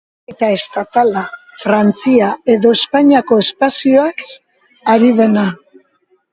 Eta estatala, Frantzia edo Espainiako espazioaz ari dena.